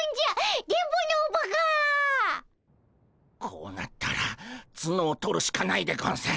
こうなったらツノを取るしかないでゴンス。